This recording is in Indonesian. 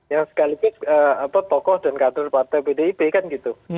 yang sekalipun tokoh dan kantor partai bdib kan gitu